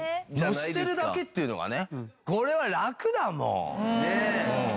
のせてるだけっていうのがね。